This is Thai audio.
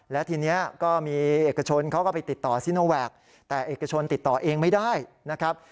และทีนี้ก็มีเอกชนเขาก็ไปติดต่อซิโนแวคแต่เอกชนติดต่อเองไม่ได้นะครับ